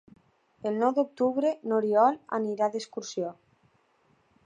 El nou d'octubre n'Oriol anirà d'excursió.